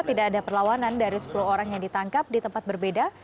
tidak ada perlawanan dari sepuluh orang yang ditangkap di tempat berbeda